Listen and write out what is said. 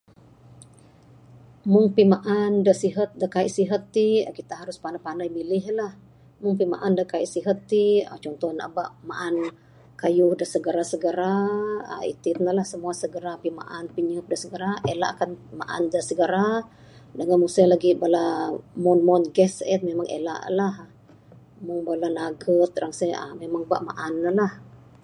Mung pimaan da sihat da kaii sihat ti kita panai-panai milih lah. Mung pimaan da kaii sihat ti contoh nuh aba maan kayuh da segera-segera aaa itin nuh lah semua segera pimaan pinyehup da segera elakkan maan da segera, dengan mung se lagih bala umon-umon gas sien memang elak lah. Mung bala nugget rang se aaa memang aba maan nuh lah.